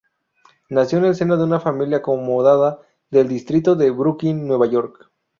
Nació en el seno de una familia acomodada del distrito de Brooklyn, Nueva York.